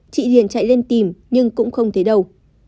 chị hiền chạy lên tìm nhưng cũng không thấy đâu